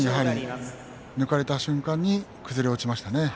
抜かれた瞬間に崩れ落ちましたね。